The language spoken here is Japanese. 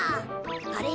あれ？